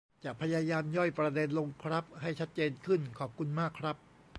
จะพยายามย่อยประเด็นลงครับ ให้ชัดเจนขึ้น ขอบคุณมากครับ